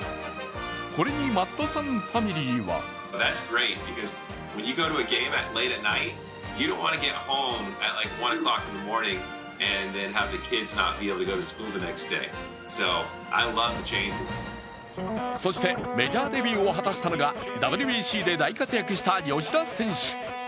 これにマットさんファミリーはそしてメジャーデビューを果たしたのが、ＷＢＣで大活躍した吉田選手。